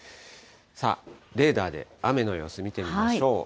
さあ、レーダーで雨の様子、見てみましょう。